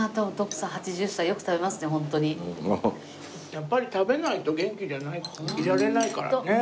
やっぱり食べないと元気出ないいられないからね。